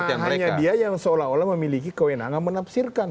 karena hanya dia yang seolah olah memiliki kewenangan menafsirkan